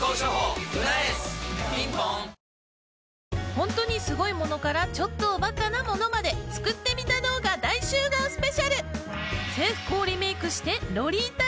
本当にすごいものからちょっとおバカなものまで作ってみた動画大集合スペシャル！